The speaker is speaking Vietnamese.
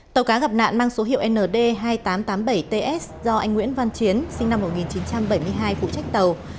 tàu cá gặp nạn mang số hiệu nd hai nghìn tám trăm tám mươi bảy ts do anh nguyễn văn chiến sinh năm một nghìn chín trăm bảy mươi hai phụ trách tàu